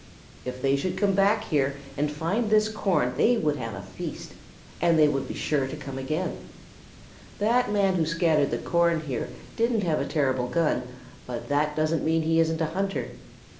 If they should come back here and find this corn, they would have a feast, and they would be sure to come again. That man who scattered the corn here didn't have a terrible gun, but that doesn't mean that he isn't a hunter.